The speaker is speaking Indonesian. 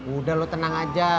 udah lo tenang aja